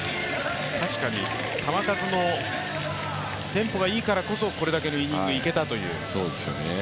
確かに、球数のテンポがいいからこそ、これだけのイニングいけたという。